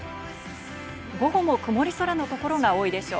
午後も曇り空のところが多いでしょう。